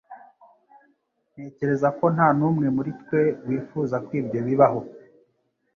Ntekereza ko nta n'umwe muri twe wifuza ko ibyo bibaho